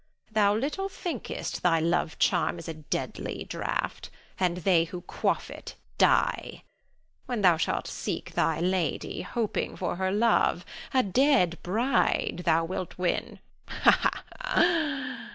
thou little thinkest thy love charm is a deadly draught, and they who quaff it die. When thou shalt seek thy lady, hoping for her love, a dead bride thou wilt win. Ha! ha!